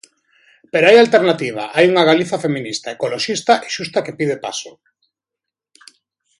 Pero hai alternativa, hai unha Galicia feminista, ecoloxista e xusta que pide paso.